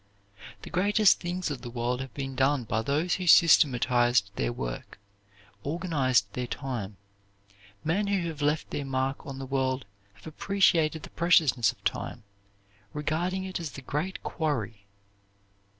The greatest things of the world have been done by those who systematized their work, organized their time. Men who have left their mark on the world have appreciated the preciousness of time, regarding it as the great quarry.